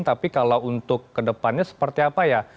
tapi kalau untuk kedepannya seperti apa ya